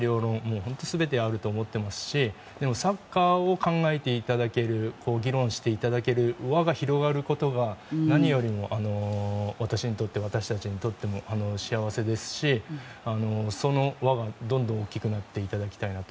本当に全てあると思っていますしでもサッカーを考えていただける議論していただける輪が広がることが何よりも私にとって私たちにとっても幸せですしその輪がどんどん大きくなっていただければと。